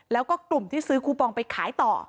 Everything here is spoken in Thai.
แล้วก็กลุ่มที่ซื้อคูปองไปขายต่อ